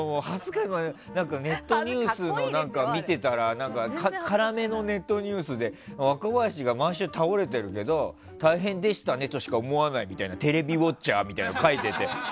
ネットニュースを見てたら辛めのネットニュースでさ若林が毎週倒れてるけど大変でしたねとしか思わないってテレビウォッチャーみたいなのが書いてて。